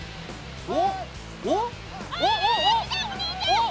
おっ！